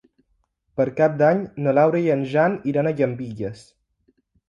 Per Cap d'Any na Laura i en Jan iran a Llambilles.